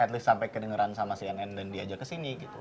at least sampai kedengeran sama cnn dan diajak ke sini gitu